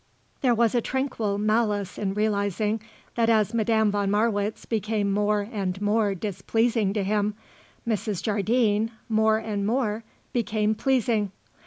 There was a tranquil malice in realizing that as Madame von Marwitz became more and more displeasing to him, Mrs. Jardine, more and more, became pleasing.